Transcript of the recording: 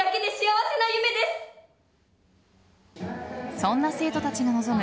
そんな生徒たちが臨む